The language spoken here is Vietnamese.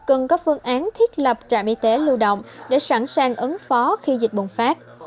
cần có phương án thiết lập trạm y tế lưu động để sẵn sàng ứng phó khi dịch bùng phát